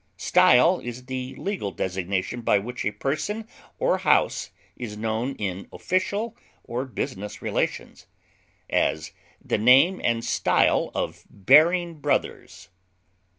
Style is the legal designation by which a person or house is known in official or business relations; as, the name and style of Baring Brothers.